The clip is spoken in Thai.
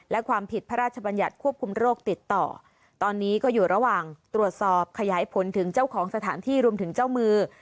และความผิดพระราชบัญญัติควบคุมโรคติดต่อตอนนี้ก็อยู่ระหว่างตรวจสอบขยายผลถึงเจ้าของสถานที่รวมถึงเจ้ามือ